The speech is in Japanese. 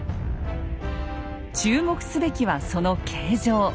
注目すべきはその形状。